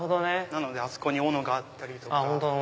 なのであそこに斧があったり。